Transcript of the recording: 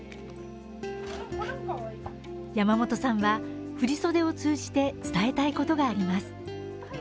山本さんは振り袖を通じて伝えたいことがあります。